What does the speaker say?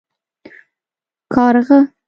🐦⬛ کارغه